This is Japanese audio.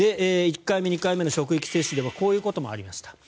１回目、２回目の職域接種ではこういうこともありました。